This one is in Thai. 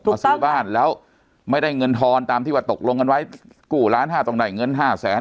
มาซื้อบ้านแล้วไม่ได้เงินทอนตามที่ว่าตกลงกันไว้กู้ล้านห้าต้องได้เงินห้าแสน